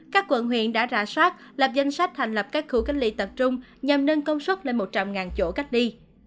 các quận huyện đã rà soát lập danh sách thành lập các khu cách ly tập trung nhằm nâng công suất lên một trăm linh chỗ cách ly